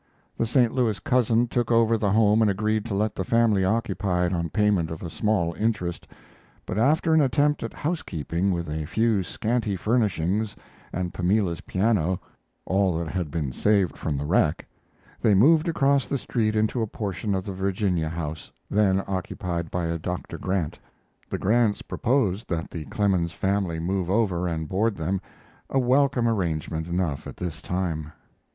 The St. Louis cousin took over the home and agreed to let the family occupy it on payment of a small interest; but after an attempt at housekeeping with a few scanty furnishings and Pamela's piano all that had been saved from the wreck they moved across the street into a portion of the Virginia house, then occupied by a Dr. Grant. The Grants proposed that the Clemens family move over and board them, a welcome arrangement enough at this time.